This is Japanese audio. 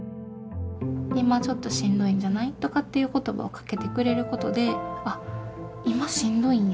「今ちょっとしんどいんじゃない？」とかっていう言葉をかけてくれることで「ああ今しんどいんや」